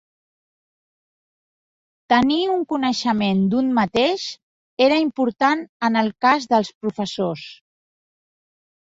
Tenir un coneixement d'un mateix era important en el cas dels professors.